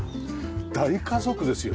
大家族ですよ